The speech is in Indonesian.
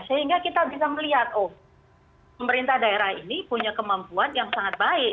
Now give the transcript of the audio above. sehingga kita bisa melihat oh pemerintah daerah ini punya kemampuan yang sangat baik